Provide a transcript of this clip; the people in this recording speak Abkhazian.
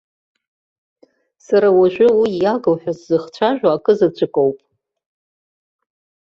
Сара уажәы уи иагу ҳәа сзыхцәажәо акы заҵәык оуп.